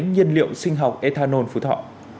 nhiên liệu sinh học ethanol phú thọ